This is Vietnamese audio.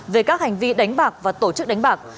về các hành vi đánh bạc và tổ chức đánh bạc